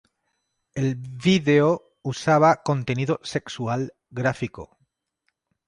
El vídeo usaba contenido sexual gráfico.